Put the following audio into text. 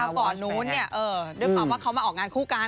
ข้าวป่อนนู้นเนี่ยด้วยความว่าเขามาออกงานคู่กัน